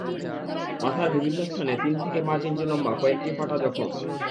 মাথার বিভিন্ন স্থানে তিন থেকে পাঁচ ইঞ্চি লম্বা কয়েকটি ফাটা জখম।